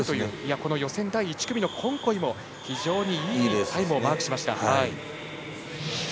この予選第１組のコンコイも非常にいいタイムをマークしました。